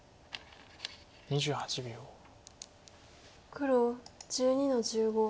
黒１２の十五。